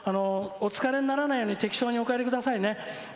お疲れにならないように適当にお帰りくださいね。